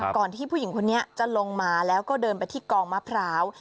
ที่ผู้หญิงคนนี้จะลงมาแล้วก็เดินไปที่กองมะพร้าว